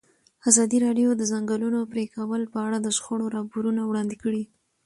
ازادي راډیو د د ځنګلونو پرېکول په اړه د شخړو راپورونه وړاندې کړي.